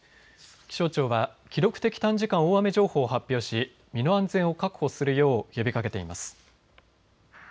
気象庁は記録的短時間大雨情報を発表し身の安全を確保するよう呼びかけています。